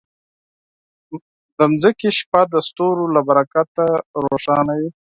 د ځمکې شپه د ستورو له برکته روښانه وي.